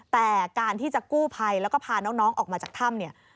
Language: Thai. แต่การที่จะกู้ภัยแล้วก็พาน้องออกมาจากถ้ำเนี่ย